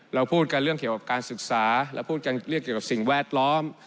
เราพูดกันเรื่องเกี่ยวกับการศึกษาแล้วพูดกันเรียกเกี่ยวกับสิ่งแวดล้อม